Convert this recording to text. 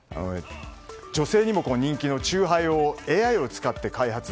女性にも人気の酎ハイをＡＩを使って開発。